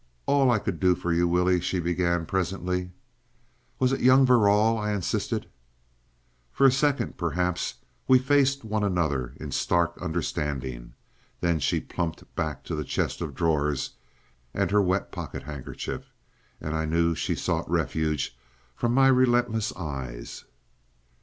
"All I could do for you, Willie," she began presently. "Was it young Verrall?" I insisted. For a second, perhaps, we faced one another in stark understanding. ... Then she plumped back to the chest of drawers, and her wet pocket handkerchief, and I knew she sought refuge from my relentless eyes.